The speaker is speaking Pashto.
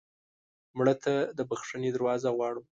مړه ته د بښنې دروازه غواړو